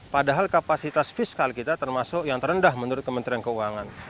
padahal kapasitas fiskal kita termasuk yang terendah menurut kementerian keuangan